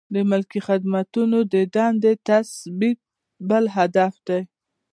د ملکي خدمتونو د دندو تثبیت بل هدف دی.